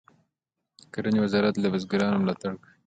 د کرنې وزارت له بزګرانو ملاتړ کوي